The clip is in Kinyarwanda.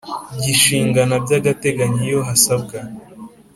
Gishingana by agateganyo iyo hasabwa